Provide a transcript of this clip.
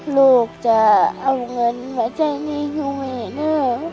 ลูกจะเอาเงินมาแจ้งให้หนูไหมนะ